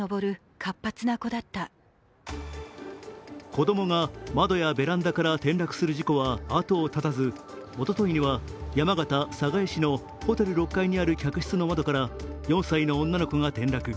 子供が窓やベランダから転落する事故は後が絶たずおとといには山形・寒河江市のホテル６階にある客室の窓から４歳の女の子が転落。